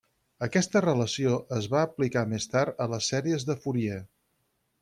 Aquesta relació es va aplicar més tard a les Sèries de Fourier.